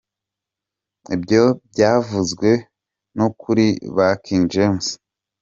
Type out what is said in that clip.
ibyo byavuzwe no kuri ba King James.